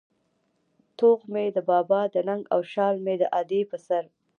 توغ مې د بابا د ننگ او شال مې د ادې په سر